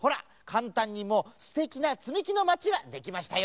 かんたんにもうすてきなつみきのまちができましたよ。